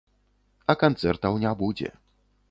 А канцэртаў не будзе.